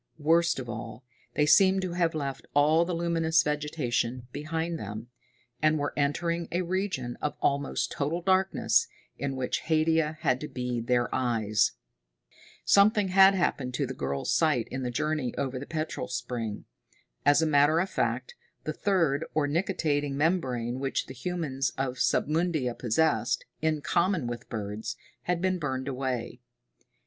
Worst of all, they seemed to have left all the luminous vegetation behind them, and were entering a region of almost total darkness, in which Haidia had to be their eyes. Something had happened to the girl's sight in the journey over the petrol spring. As a matter of fact, the third, or nictitating membrane, which the humans of Submundia possessed, in common with birds, had been burned away.